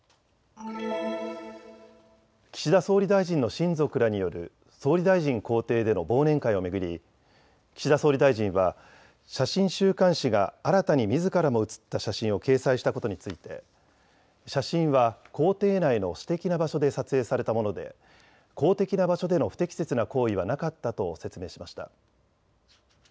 岸田総理大臣の親族らによる総理大臣公邸での忘年会を巡り岸田総理大臣は写真週刊誌が新たにみずからも写った写真を掲載したことについて写真は公邸内の私的な場所で撮影されたもので公的な場所での不適切な行為はなかったと説明しました。